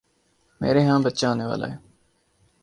میرے ہاں بچہ ہونے والا ہے